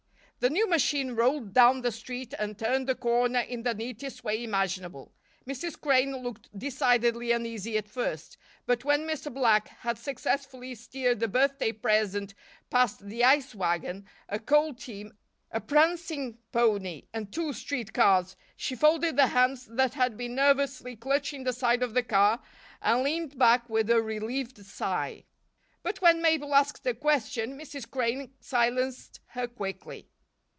The new machine rolled down the street and turned the corner in the neatest way imaginable. Mrs. Crane looked decidedly uneasy at first; but when Mr. Black had successfully steered the birthday present past the ice wagon, a coal team, a prancing pony and two street cars, she folded the hands that had been nervously clutching the side of the car and leaned back with a relieved sigh. But when Mabel asked a question, Mrs. Crane silenced her quickly.